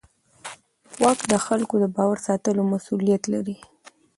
واک د خلکو د باور ساتلو مسؤلیت لري.